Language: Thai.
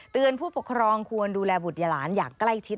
ผู้ปกครองควรดูแลบุตรยาหลานอย่างใกล้ชิด